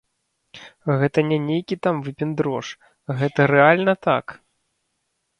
Гэта не нейкі там выпендрож, гэта рэальна так.